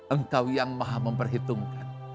engkau yang maha memperhitungkan